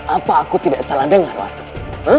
apa aku tidak salah dengar maskermu